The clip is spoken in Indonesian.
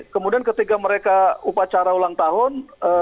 kemudian ketika mereka upacara ulang tahun